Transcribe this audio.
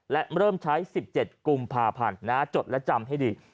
และเริ่มใช้๑๗กุมภาพันธ์จดและจำให้ดี